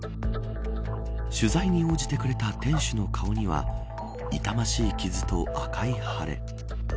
取材に応じてくれた店主の顔には痛ましい傷と赤い腫れ。